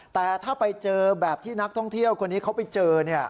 แต่ถ้าไปเจอแบบที่นักท่องเที่ยวคนนี้เขาไปเจอ